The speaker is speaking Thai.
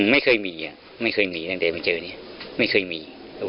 ไม่เคยมีไม่เคยมีตั้งแต่มาเจอนี่ไม่เคยมี